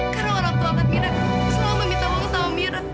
karena orang tua kan mira semua meminta uang sama mira